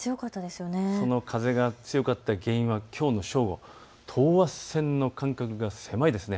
その風が強かった原因がきょうの正午、等圧線の間隔が狭いですね。